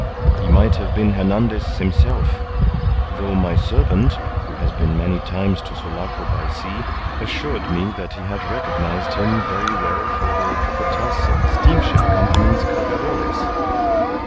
He might have been Hernandez himself; though my servant, who has been many times to Sulaco by sea, assured me that he had recognized him very well for the Capataz of the Steamship Company's Cargadores.